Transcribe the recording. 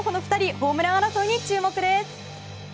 ホームラン争いに注目です。